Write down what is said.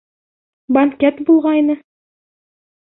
Банкет булғайны.